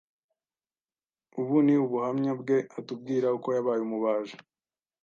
Ubu ni ubuhamya bwe atubwira uko yabaye umubaji.